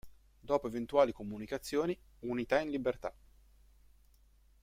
Dopo eventuali comunicazioni, "Unità in libertà!